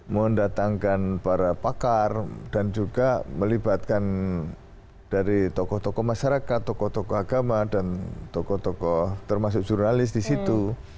mendatangkan para pakar dan juga melibatkan dari tokoh tokoh masyarakat tokoh tokoh agama dan tokoh tokoh termasuk jurnalis di situ